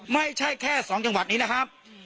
ไม่ใช่แค่๒จังหวัดนี้นะครับ